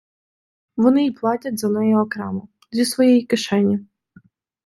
Вони і платять за неї окремо, зі своєї кишені.